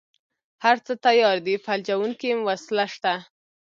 هره څه تيار دي فلجوونکې وسله شته.